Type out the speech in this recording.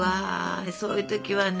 そういう時はね